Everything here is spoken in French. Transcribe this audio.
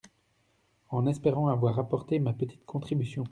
En espérant avoir apporté ma petite contribution.